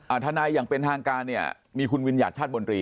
ทนายอย่างเป็นทางการเนี่ยมีคุณวิญญัติชาติบนตรี